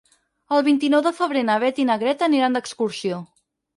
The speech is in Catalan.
El vint-i-nou de febrer na Beth i na Greta aniran d'excursió.